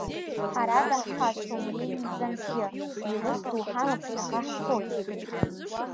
Ҳара даҳхашҭуам Ленин бзанҵгьы, иус ду ҳама ԥхьаҟа ҳцоит.